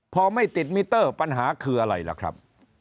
พอไม่ติดมิเตอร์ปัญหาคืออะไรล่ะครับ